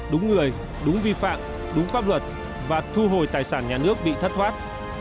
đúng người đúng vi phạm đúng pháp luật và thu hồi tài sản nhà nước bị thất thoát